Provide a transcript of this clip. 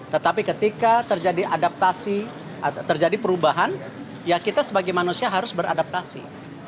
tetapi ketika terjadi adaptasi terjadi perubahan ya kita sebagai manusia harus beradaptasi